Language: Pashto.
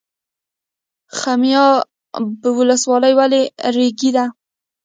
خمیاب ولسوالۍ ولې ریګي ده؟